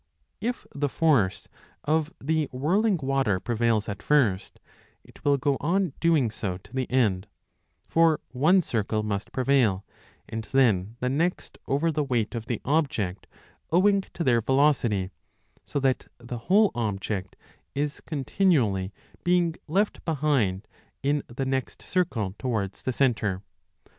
If the force of the whirling water prevails at first, it will go on doing so to the end ; for one circle must prevail and then the next over the weight of the object owing to their velocity, so that the whole object is continually being left behind in the next circle towards the centre.